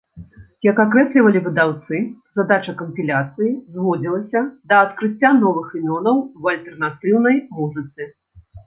Як акрэслівалі выдаўцы, задача кампіляцыі зводзілася да адкрыцця новых імёнаў у альтэрнатыўнай музыцы.